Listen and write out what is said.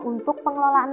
untuk pengelolaan lingkungan